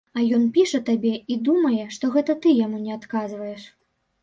А ён піша табе, і думае, што гэта ты яму не адказваеш.